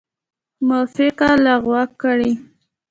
موافقه لغو کړي.